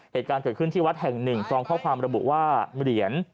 เหตุการณ์เกิดขึ้นที่วัดแห่งหนึ่งพร้อมข้อความระบุว่าเหรียญ